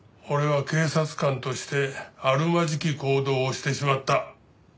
俺は警察官としてあるまじき行動をしてしまった。